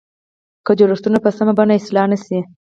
که جوړښتونه په سمه بڼه اصلاح نه شي.